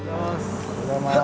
おはようございます。